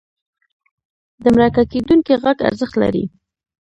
د مرکه کېدونکي غږ ارزښت لري.